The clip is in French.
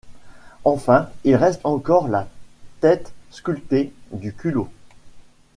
Enfin, il reste encore la tête sculptée du culot.